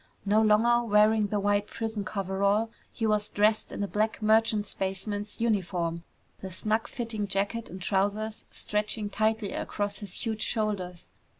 No longer wearing the white prison coverall, he was dressed in a black merchant spaceman's uniform, the snug fitting jacket and trousers stretching tightly across his huge shoulders.